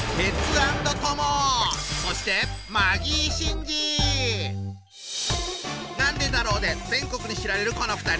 そして「なんでだろう」で全国で知られるこの２人。